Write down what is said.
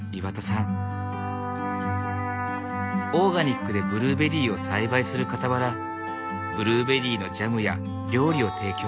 オーガニックでブルーベリーを栽培するかたわらブルーベリーのジャムや料理を提供。